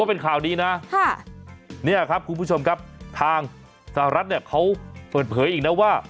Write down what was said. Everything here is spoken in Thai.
เป็นข่าวดีนะเนี่ยครับคุณผู้ชมครับทางสหรัฐเนี่ยเขาเปิดเผยอีกนะว่า